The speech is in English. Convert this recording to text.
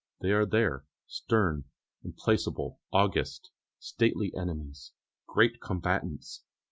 They are there, stern, implacable, august; stately enemies, great combatants.